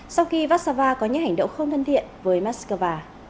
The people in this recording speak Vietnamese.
sau khi vassava có những hành động không thân thiện với moscow